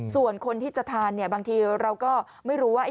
ส่วนคนที่จะทานเนี่ยบางทีเราก็ไม่รู้ว่า